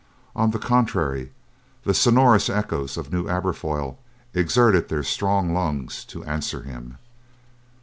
On the contrary, the sonorous echoes of New Aberfoyle exerted their strong lungs to answer him.